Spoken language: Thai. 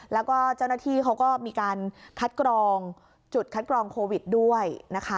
แล้วก็เจ้าหน้าที่เขาก็มีการคัดกรองจุดคัดกรองโควิดด้วยนะคะ